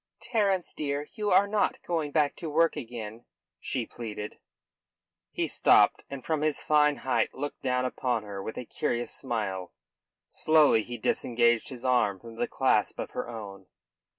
"Terence dear, you are not going back to work again?" she pleaded. He stopped, and from his fine height looked down upon her with a curious smile. Slowly he disengaged his arm from the clasp of her own.